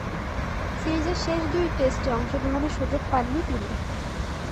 সিরিজের শেষ দুই টেস্টে অংশগ্রহণের সুযোগ পাননি তিনি।